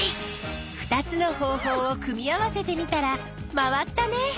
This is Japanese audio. ２つの方法を組み合わせてみたら回ったね。